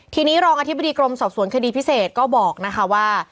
ทีนี้รองอธิบดีกรมสอบสวนคดีพิเศษก็บอกนะคะว่า